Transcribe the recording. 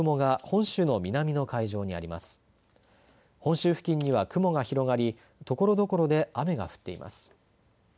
本州付近には雲が広がりところどころで雨が降っています。